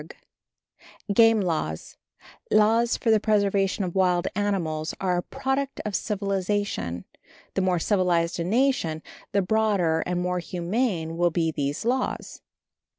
_ Game Laws Laws for the preservation of wild animals are a product of civilization. The more civilized a nation, the broader and more humane will be these laws.